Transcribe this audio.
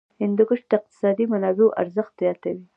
هندوکش د اقتصادي منابعو ارزښت زیاتوي.